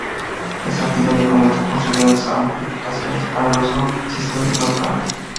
Es aquí donde comenzó a construir grandes amplificadores para los sound systems locales.